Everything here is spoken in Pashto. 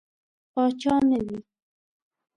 پاچا نه وي.